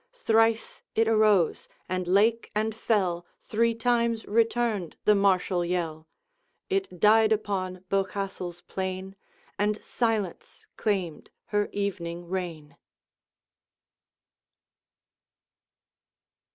Thrice it arose, and lake and fell Three times returned the martial yell; It died upon Bochastle's plain, And Silence claimed her evening reign.